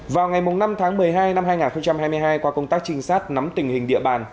vào ngày năm tháng một mươi hai năm hai nghìn hai mươi hai qua công tác trinh sát nắm tình hình địa bàn